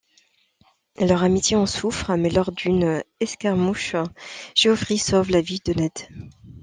Leur amitié en souffre mais lors d'une escarmouche Geoffrey sauve la vie de Ned.